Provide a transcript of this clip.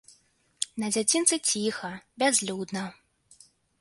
На дзядзінцы ціха, бязлюдна.